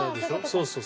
そうそう。